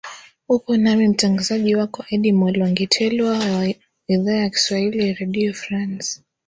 upo nami mtangazaji wako edimol wangitelwa wa idhaa ya kiswahili ya redio france